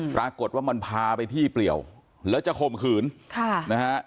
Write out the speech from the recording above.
ปรากฏว่ามันพาไปที่เปลี่ยวแล้วจะข่มขืนค่ะนะฮะ